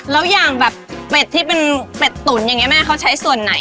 แล้วอย่างเป็ดทุนแม่เขาใช้ส่วนไหน